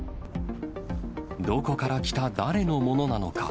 どこから来た誰のものなのか。